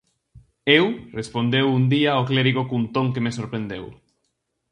"Eu" -respondeu un día o clérigo cun ton que me sorprendeu.